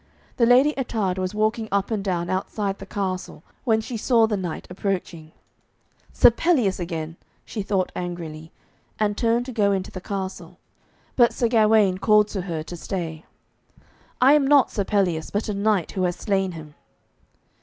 The Lady Ettarde was walking up and down outside the castle, when she saw the knight approaching. 'Sir Pelleas again,' she thought angrily, and turned to go into the castle. But Sir Gawaine called to her to stay. 'I am not Sir Pelleas, but a knight who has slain him.'